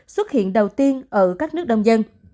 xuất hiện đầu tiên ở các nước đông dân